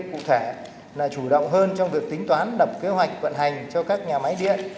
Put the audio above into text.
cụ thể là chủ động hơn trong việc tính toán đập kế hoạch vận hành cho các nhà máy điện